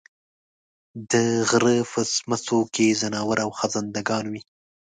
د غرۀ په څمڅو کې ځناور او خزندګان وي